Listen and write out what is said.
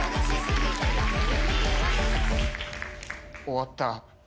終わった。